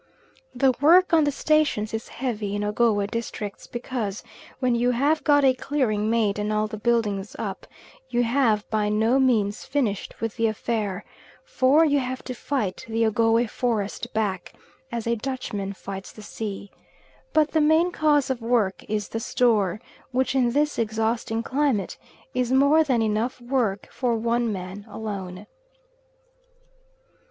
The work on the stations is heavy in Ogowe districts, because when you have got a clearing made and all the buildings up, you have by no means finished with the affair, for you have to fight the Ogowe forest back, as a Dutchman fights the sea. But the main cause of work is the store, which in this exhausting climate is more than enough work for one man alone.